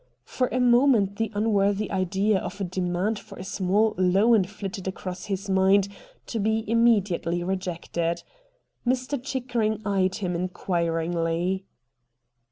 For a moment the unworthy idea of a demand for a small loan flitted across his mind to be imme diately rejected. Mr. Chickering eyed him inquiringly.